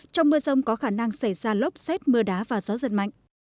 trong mưa rông có khả năng xảy ra lốc xét mưa đá và gió giật mạnh